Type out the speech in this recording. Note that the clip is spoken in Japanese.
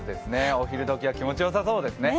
お昼時は気持ちよさそうですね。